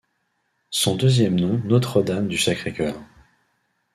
Son deuxième nom Notre-Dame-du-Sacré-Cœur.